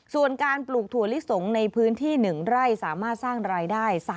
ส่วนการปลูกถั่วลิสงในพื้นที่๑ไร่สามารถสร้างรายได้